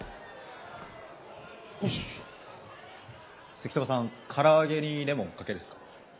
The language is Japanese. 赤兎馬さん唐揚げにレモンかけるっすか？